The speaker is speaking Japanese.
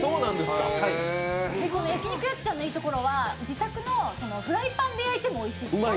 焼肉やっちゃんのいいところは自宅のフライパンで焼いてもおいしい。